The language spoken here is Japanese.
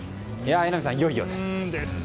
榎並さん、いよいよです。